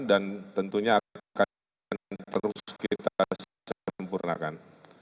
dan tentunya akan terus kita sempurnakan